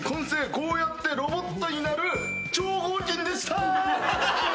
こうやってロボットになる超合金でした！